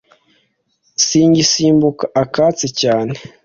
singisimbuka akatsi cyane